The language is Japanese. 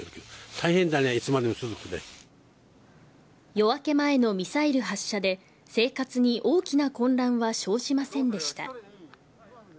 夜明け前のミサイル発射で生活に大きな混乱は生じませんでした。